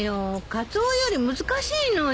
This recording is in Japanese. カツオより難しいのよ。